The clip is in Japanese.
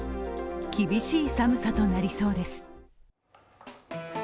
厳しい寒さとなりそうです。